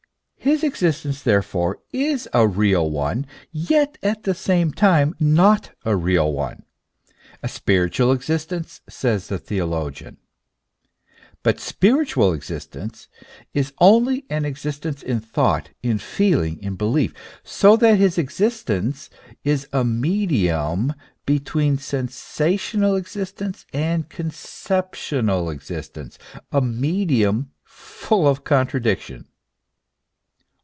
His existence therefore is a real one, yet at the same time not a real one ; a spiritual existence, says the theo logian. But spiritual existence is only an existence in thought, in feeling, in belief: so that his existence is a medium between sensational existence and conceptional existence, a medium full of contradiction.